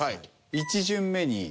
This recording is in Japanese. １巡目に。